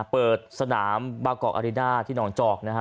เปิดสถาบักกล่ออารินาแบบนะ